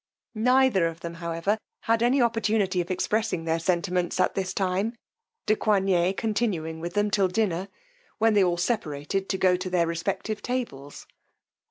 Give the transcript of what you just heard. Neither of them, however, had any opportunity of expressing their sentiments at this time, de Coigney continuing with them till dinner, when they all separated to go to their respective tables.